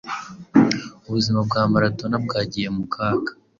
ubuzima bwa Maradona bwagiye mu kaga